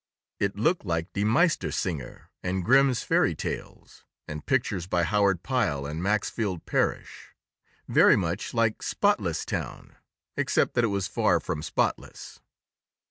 It looked like Die Meistersinger, and Grimm's Fairy Tales, and pictures by Howard Pyle and Maxfield Parrish; very much like "Spotless Town," except that it was far from spotless.